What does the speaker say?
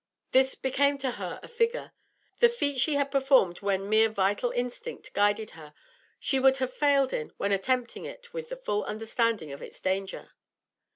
This became to her a figure. The feat she had performed when mere vital instinct guided her, she would have failed in when attempting it with the full understanding of its danger.